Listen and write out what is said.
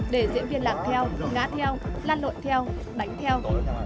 để diễn viên làm theo ngã theo lan lộn theo đánh theo